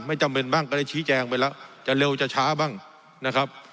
จำเป็นบ้างก็ได้ชี้แจงไปแล้วจะเร็วจะช้าบ้างนะครับ